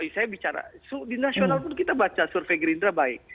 saya bicara di nasional pun kita baca survei gerindra baik